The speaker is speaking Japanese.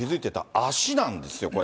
足なんですよ、これ。